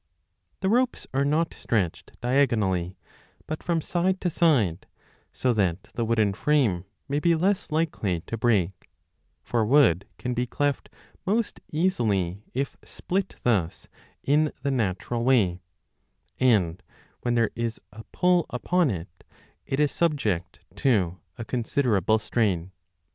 5 The ropes are not stretched diagonally but from side to side, so that the wooden frame may be less likely to break ; for wood can be cleft most easily if split thus in the natural way, 2 and when there is a pull upon it, it is subject to a considerable strain.